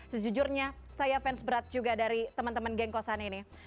sejujurnya saya fans berat juga dari teman teman gengkosan ini